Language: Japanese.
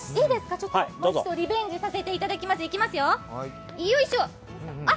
もう一度、リベンジさせていただきます。